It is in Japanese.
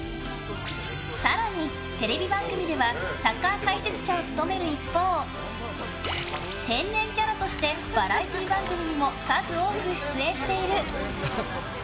更にテレビ番組ではサッカー解説者を務める一方天然キャラとしてバラエティー番組にも数多く出演している。